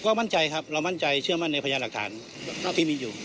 ก็มั่นใจครับเรามั่นใจเชื่อมั่นในพยานหลักฐานที่มีอยู่